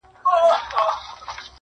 خپل یې د ټولو که ځوان که زوړ دی!.